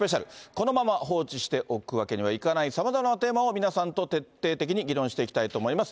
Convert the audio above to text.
このまま放置しておくわけにはいかないさまざまなテーマを、皆さんと徹底的に議論していきたいと思います。